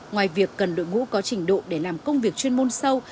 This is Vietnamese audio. ngoài việc cần đội ngũ có trình độ để làm công việc chuyên môn sâu